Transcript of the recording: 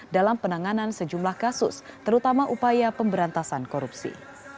dalam penanganan sejumlah kasus terutama upaya pemberantasan korupsi